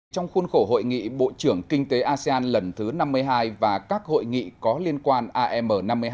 trong khuôn khổ hội nghị bộ trưởng kinh tế asean lần thứ năm mươi hai và các hội nghị có liên quan am năm mươi hai